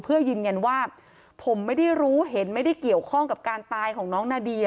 เพื่อยืนยันว่าผมไม่ได้รู้เห็นไม่ได้เกี่ยวข้องกับการตายของน้องนาเดีย